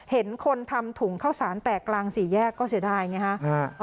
เห็นคนทำถุงข้าวสารแตกกลางสี่แยกก็เสียดายไงฮะ